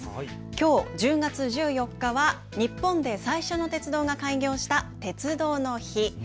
きょう１０月１４日は日本で最初の鉄道が開業した鉄道の日。